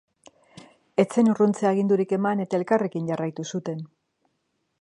Ez zen urruntze agindurik eman, eta elkarrekin jarraitu zuten.